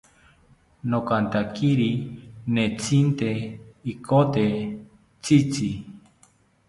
Nokantakiri nentzite ikote tzitzi